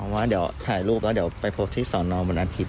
แต่ว่าจะถ่ายรูปแล้วเต้าไปพบที่สอนลงวันอาทิตย์